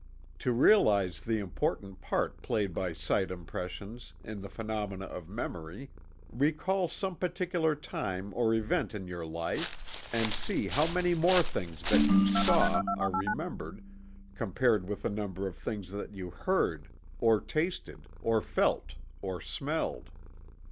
To realize the important part played by sight impressions in the phenomena of memory, recall some particular time or event in your life, and see how many more things that you saw are remembered, compared with the number of things that you heard, or tasted, or felt or smelled.